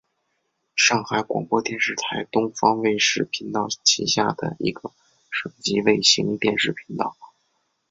上海广播电视台东方卫视频道旗下的一个省级卫星电视频道。